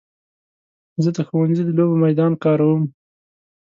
زه د ښوونځي د لوبو میدان کاروم.